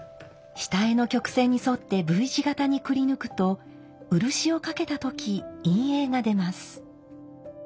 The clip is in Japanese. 下絵の曲線に沿ってＶ字型にくり抜くと漆をかけた時陰影が出ます。